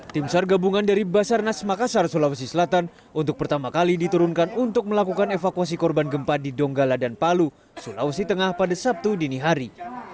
tim sar gabungan dari basarnas makassar sulawesi selatan untuk pertama kali diturunkan untuk melakukan evakuasi korban gempa di donggala dan palu sulawesi tengah pada sabtu dini hari